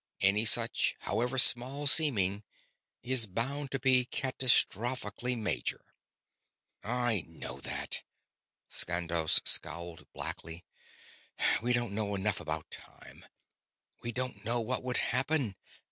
Any such, however small seeming, is bound to be catastrophically major."_ _"I know that." Skandos scowled blackly. "We don't know enough about time. We don't know what would happen.